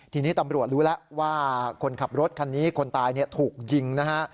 ทีนี้ตำรวจรู้แล้วว่าคนขับรถคันนี้คนตายถูกยิงนะฮะ